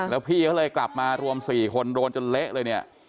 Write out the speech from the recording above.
แล้วพี่เขาเลยกลับมารวม๔คนโดนจนเละเลยเนี่ย